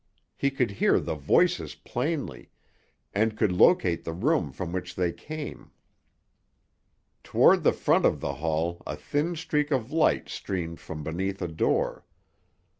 He could hear the voices plainly, and could locate the room from which they came. Toward the front of the hall a thin streak of light streamed from beneath a door.